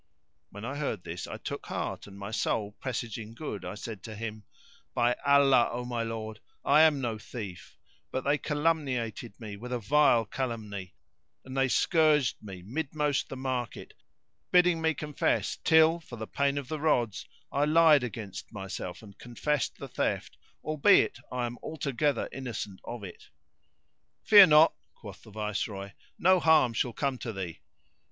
When I heard this, I took heart and, my soul presaging good, I said to him, "By Allah, O my lord, I am no thief; but they calumniated me with a vile calumny, and they scourged me midmost the market, bidding me confess till, for the pain of the rods, I lied against myself and confessed the theft, albeit I am altogether innocent of it." "Fear not," quoth the Viceroy, "no harm shall come to thee."